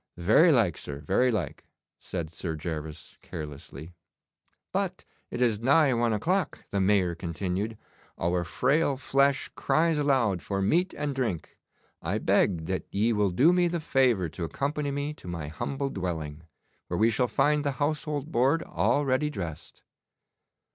'Very like, sir, very like,' said Sir Gervas carelessly. 'But it is nigh one o'clock,' the Mayor continued, 'our frail flesh cries aloud for meat and drink. I beg that ye will do me the favour to accompany me to my humble dwelling, where we shall find the household board already dressed.